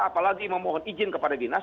apalagi memohon izin kepada dinas